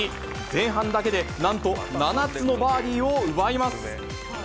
前半だけでなんと７つのバーディーを奪います。